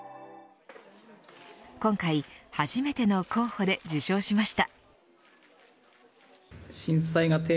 今回初めての候補で受賞しました。